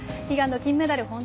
悲願の金メダル